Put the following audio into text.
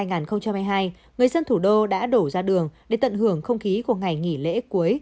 người dân thủ đô đã đổ ra đường để tận hưởng không khí của ngày nghỉ lễ cuối